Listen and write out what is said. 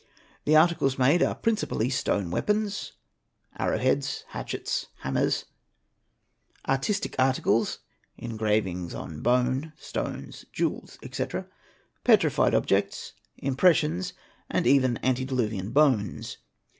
The articles made _ are principally stone weapons (arrow heads, hatchets, hammers), artistic _ articles (engravings on bone, stones, jewels, etc.), petrified objects, impres sions, and even antediluvian bones.